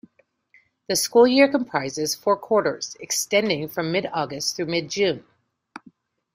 The school year comprises four quarters, extending from mid-August through mid-June.